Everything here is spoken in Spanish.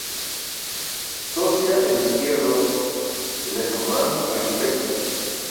Socia en Izquierdo Lehmann Arquitectos.